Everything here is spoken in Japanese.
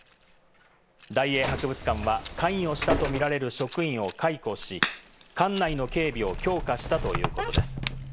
大英博物館は関与したとみられる職員を解雇し、館内の警備を強化したということです。